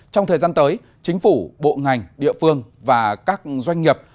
trong thời gian tới chính phủ bộ ngành địa phương và các doanh nghiệp